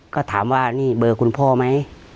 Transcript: ก็ถามว่านี่เบอร์คุณพ่อไหม